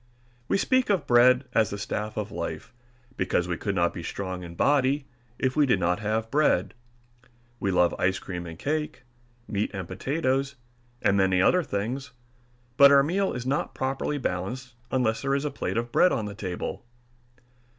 We speak of bread as the staff of life because we could not be strong in body if we did not have bread. We love ice cream and cake, meat and potatoes, and many other things, but our meal is not properly balanced unless there is a plate of bread on the table.